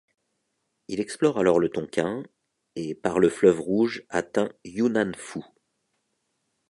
Il explore alors le Tonkin et par le Fleuve Rouge atteint Yunnan-Fou.